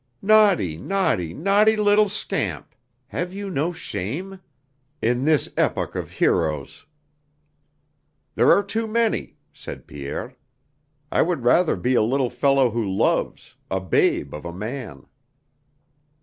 "Naughty, naughty, naughty little scamp! have you no shame? In this epoch of heroes!" "There are too many," said Pierre. "I would rather be a little fellow who loves, a babe of a man."